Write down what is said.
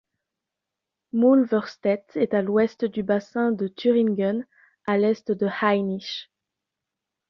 Mülverstedt est à l'ouest du bassin de Thuringe, à l'est du Hainich.